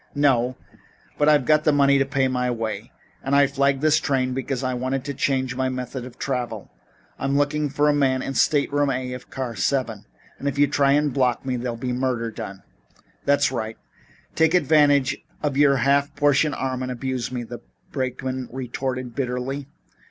"No, but I've got the money to pay my way. And I flagged this train because I wanted to change my method of travel. I'm looking for a man in stateroom A of car 7, and if you try to block me there'll be murder done." "That's right. Take advantage of your half portion arm and abuse me," the brakeman retorted bitterly.